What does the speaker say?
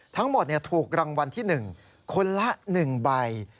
ทั้งหมดถูกรางวัลที่๑คนละ๑ใบ